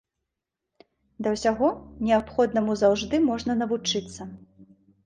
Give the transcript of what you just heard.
Да ўсяго, неабходнаму заўжды можна навучыцца.